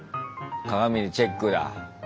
鏡でチェックだ。